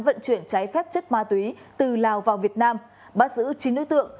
vận chuyển trái phép chất ma túy từ lào vào việt nam bắt giữ chín đối tượng